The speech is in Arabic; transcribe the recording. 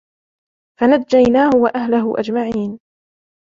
فنجيناه وأهله أجمعين